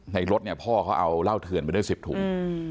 ในรถพ่อเขาเอาเหล้าเทือนไปด้วย๑๐ถุง